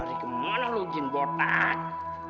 mau lari kemana lu jin botak